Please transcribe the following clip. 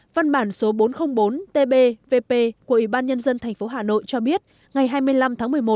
văn bản số bốn trăm linh bốn tb vp của ủy ban nhân dân tp hà nội cho biết ngày hai mươi năm tháng một mươi một